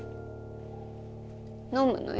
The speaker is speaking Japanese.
飲むのよ。